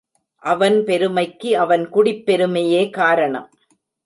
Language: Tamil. அவன் பெருமைக்கு அவன் குடிப் பெருமையே காரணம்.